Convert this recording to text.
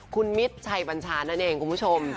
คุณมิตรชัยบัญชานั่นเองคุณผู้ชม